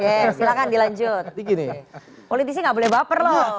politik sih gak boleh baper loh